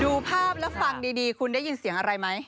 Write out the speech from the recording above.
ดูภาพแล้วฟังดีคุณได้ยินเสียงอะไรไหม